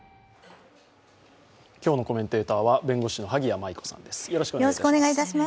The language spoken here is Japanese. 今日のコメンテーターは弁護士の萩谷麻衣子さんです。